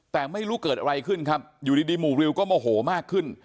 แต่ไม่รู้เกิดอะไรขึ้นครับอยู่ดีหมู่ริวก็โมโหมากขึ้น